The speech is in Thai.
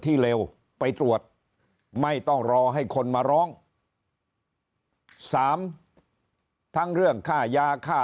เร็วไปตรวจไม่ต้องรอให้คนมาร้องสามทั้งเรื่องค่ายาค่า